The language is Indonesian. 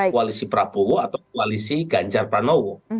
koalisi prabowo atau koalisi ganjar pranowo